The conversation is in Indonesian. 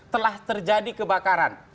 telah terjadi kebakaran